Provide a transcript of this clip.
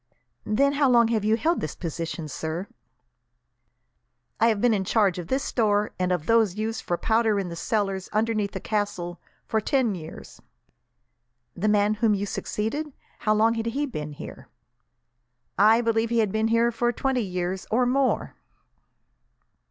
"Then how long have you held this position, sir?" "I have been in charge of this store, and of those used for powder in the cellars underneath the castle, for ten years." "The man whom you succeeded how long had he been here?" "I believe he had been here for twenty years, or more."